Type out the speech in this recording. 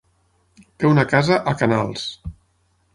Té una casa a Canals.